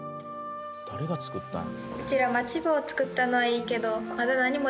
誰が作ったんや。